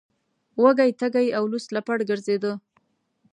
وږی تږی او لوڅ لپړ ګرځیده.